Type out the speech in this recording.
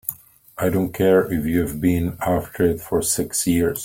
I don't care if you've been after it for six years!